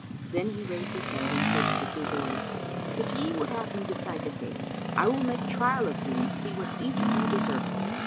Then he raised his head and said to the two boys, "If ye would have me decide the case, I will make trial of you and see what each of you deserveth.